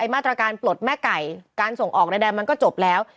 มาตรการปลดแม่ไก่การส่งออกใดมันก็จบแล้ว